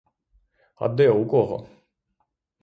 А де, у кого?